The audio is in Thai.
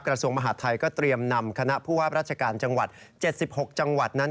กระทรวงมหาดไทยก็เตรียมนำคณะผู้ว่าราชการจังหวัด๗๖จังหวัดนั้น